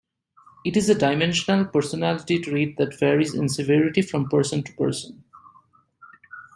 It is a dimensional personality trait that varies in severity from person to person.